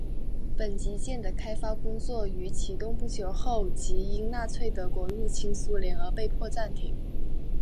本级舰的开发工作于启动不久后即因纳粹德国入侵苏联而被迫暂停。